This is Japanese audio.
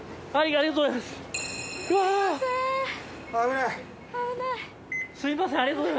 ありがとうございます。